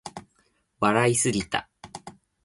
笑いすぎた